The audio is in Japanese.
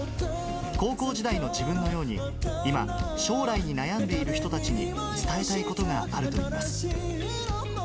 高校時代の自分のように、今、将来に悩んでいる人たちに伝えたいことがあるといいます。